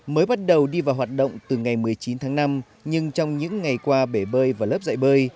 mới bắt đầu đi vào hoạt động từ ngày một mươi chín tháng năm nhưng trong những ngày qua bể bơi và lớp dạy bơi